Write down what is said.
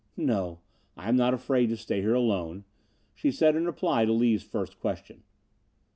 "No, I am not afraid to stay here alone," she said in reply to Lees' first question.